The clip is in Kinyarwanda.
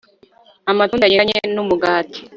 Amatunda agendanye numugati